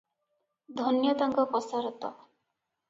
ଧନ୍ୟ ତାଙ୍କ କସରତ ।